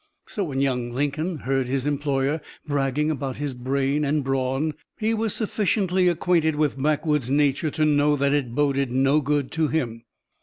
So when young Lincoln heard his employer bragging about his brain and brawn he was sufficiently acquainted with backwoods nature to know that it boded no good to him.